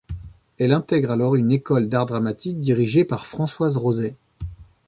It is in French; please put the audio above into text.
Elle intègre alors une école d'art dramatique dirigée par Françoise Rosay.